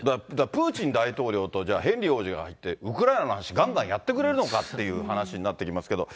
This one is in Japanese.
プーチン大統領とヘンリー王子がウクライナの話、がんがんやってくれるのかという話になってきますけれども。